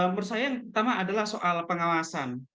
menurut saya yang pertama adalah soal pengawasan